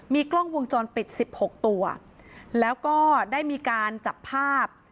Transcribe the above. มีกล้องวงจรปิดสิบหกตัวแล้วก็ได้มีการจับภาพ